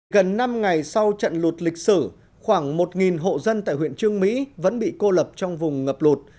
gần năm ngày sau trận lụt lịch sử khoảng một hộ dân tại huyện trương mỹ vẫn bị cô lập trong vùng ngập lụt